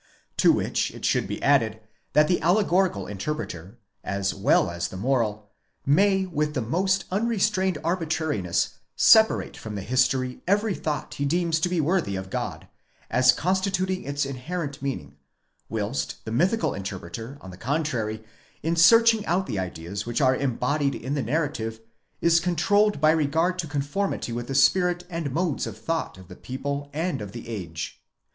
To which it should be added, that the allegorical interpreter (as well as the moral) may with the most unrestrained arbitrariness separate from the history every thought he deems to be worthy of God, as constituting its inherent meaning ; whilst the mythical interpreter, on the contrary, in search ing out the ideas which are embodied in the narrative, is controlled by regard to conformity with the spirit and modes of thought of the people and of the age.